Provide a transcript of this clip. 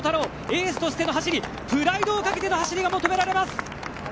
エースとしての走りプライドをかけての走りが求められます。